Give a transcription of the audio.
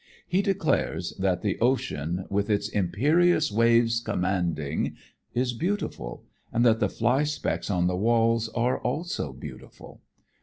He declares that the ocean with its "imperious waves, commanding" is beautiful, and that the fly specks on the walls are also beautiful.